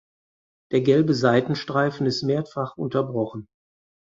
Der gelbe Seitenstreifen ist mehrfach unterbrochen.